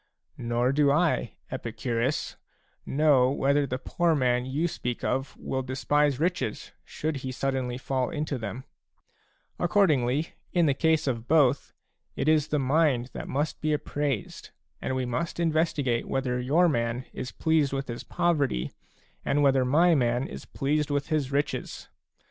,, Nor do I, Epicurus, know whether the poor man you speak of will despise riches, should he suddenly fall into them ; accordingly, in the case of both, it is the mind that must be appraised, and we must investi gate whether your man is pleased with his poverty, and whether my man is displeased with his riches.